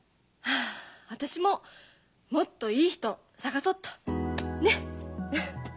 私ももっといい人探そっと。ね！